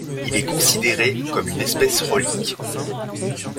Il est considéré comme une espèce relique.